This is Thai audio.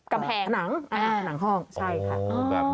กำแหน่งผนังผนังห้องใช่ค่ะอ๋อ